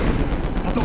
satu dua tiga